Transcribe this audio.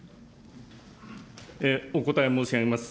お答え申し上げます。